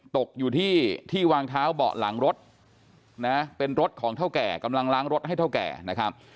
ตกอยู่ที่ที่วางเท้าเบาะหลังรถนะเป็นรถของเท่าแก่กำลังล้างรถให้เท่าแก่นะครับ